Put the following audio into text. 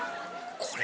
これ。